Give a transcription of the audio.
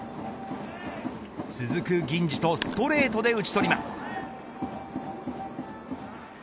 続く銀次とストレートで打ち取ります。